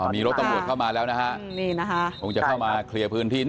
มีรถตำรวจเข้ามาแล้วนะฮะคงจะเข้ามาเคลียร์พื้นที่